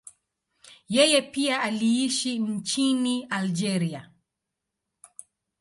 Yeye pia aliishi nchini Algeria.